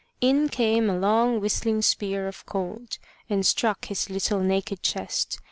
In came a long whistling spear of cold, and struck his little naked chest.